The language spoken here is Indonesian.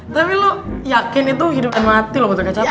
tapi lo yakin itu hidup dan mati lo buat tergajah apa